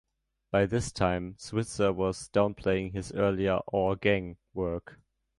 By this time Switzer was downplaying his earlier "Our Gang" work.